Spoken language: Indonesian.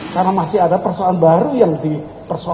karena masih ada persoalan baru yang diperolehkan